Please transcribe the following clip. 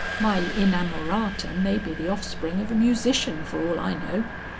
My inamorata may be the offspring of a musician for all I know."